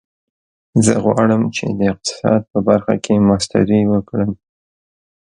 زه غواړم چې د اقتصاد په برخه کې ماسټري وکړم